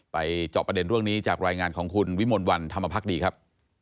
จอบประเด็นเรื่องนี้จากรายงานของคุณวิมลวันธรรมภักดีครับ